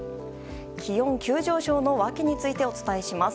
気温急上昇の訳についてお伝えします。